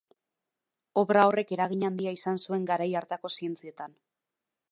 Obra horrek eragin handia izan zuen garai hartako zientzietan.